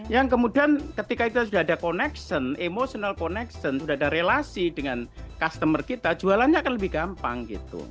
yang kemudian ketika itu sudah ada connection emotional connection sudah ada relasi dengan customer kita jualannya akan lebih gampang gitu